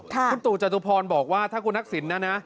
คุณตู่จตุพรบอกว่าถ้าคุณทักษิณนะนะ